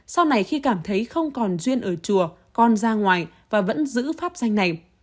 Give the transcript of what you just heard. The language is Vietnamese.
sau này khi cảm thấy không còn duyên ở chùa con ra ngoài và vẫn giữ pháp xanh này